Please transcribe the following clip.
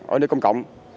ở nơi công cộng